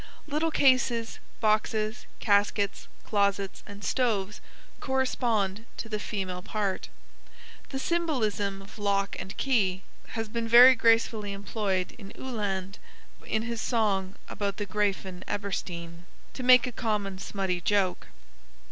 Little cases, boxes, caskets, closets, and stoves correspond to the female part. The symbolism of lock and key has been very gracefully employed by Uhland in his song about the "Grafen Eberstein," to make a common smutty joke.